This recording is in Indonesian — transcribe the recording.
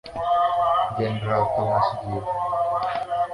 Jenderal Thomas J.